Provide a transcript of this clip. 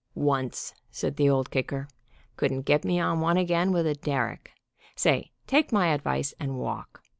"Once," said the Old Kicker. Couldn't get me on one again with a derrick. Say, take my advice, and walk.